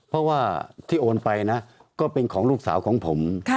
เพราะว่าที่โอนไปนะก็เป็นของลูกสาวของผม